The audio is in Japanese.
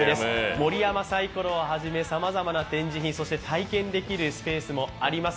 盛山サイコロをはじめさまざまな展示品、そして体験できるスペースもあります。